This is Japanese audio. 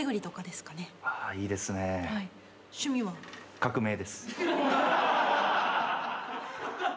革命です。